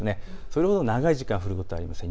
それほど長い時間降ることはありません。